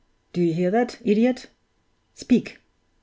Do you hear that, idiot? Speak!